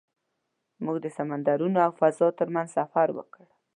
موږ د سمندرونو او فضا تر منځ سفر وکړ.